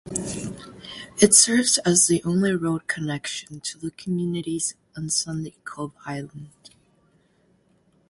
It serves as the only road connection to the communities on Sunday Cove Island.